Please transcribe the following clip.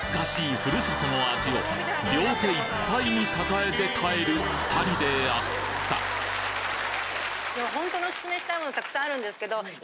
故郷の味を両手いっぱいに抱えて帰る２人であったでも本当におすすめしたいものたくさんあるんですけど今。